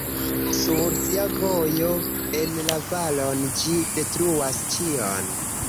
Sur sia vojo en la valon ĝi detruas ĉion.